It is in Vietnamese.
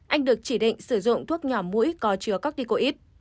anh được chỉ định sử dụng thuốc nhỏ mũi có chứa cardicoid